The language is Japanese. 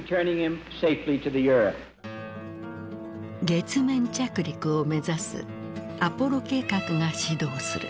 月面着陸を目指すアポロ計画が始動する。